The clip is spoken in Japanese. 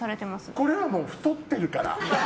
これは太ってるから。